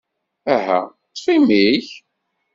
Aha, ṭṭef imi-k!